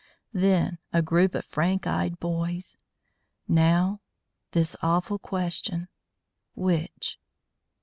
Then, a group of frank eyed boys; now, this awful question: _which?